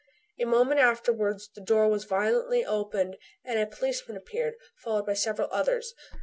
A moment afterwards the door was violently opened and a policeman appeared, followed by several others.